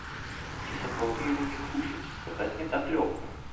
Ці сапраўды яны не хлусяць, сказаць не так лёгка.